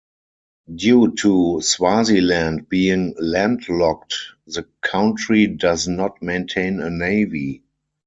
Due to Swaziland being landlocked, the country does not maintain a navy.